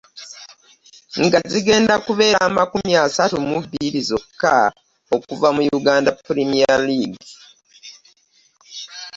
Nga zigenda kubeera amakumi asatu mu bbiri zokka okuva mu Uganda Premier League.